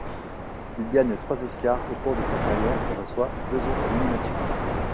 Il gagne trois Oscars au cours de sa carrière et reçoit deux autres nominations.